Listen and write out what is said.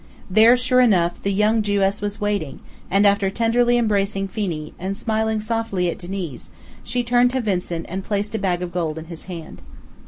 There, sure enough, the young Jewess was waiting, and after tenderly embracing Phenee, and smiling softly at Diniz, she turned to Vincent and placed a bag of gold in his hand.